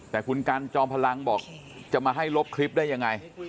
แต่คุณกันจอมพลังบอกจะมาให้ลบคลิปได้ยังไง